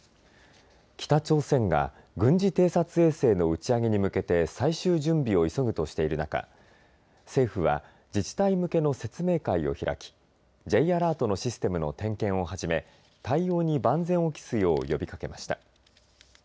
北朝鮮が軍事偵察衛星の打ち上げに向けて最終準備を急ぐとしている中政府は自治体向けの説明会を開きＪアラートのシステムの点検をはじめ対応に万全を期すよう呼びかけました。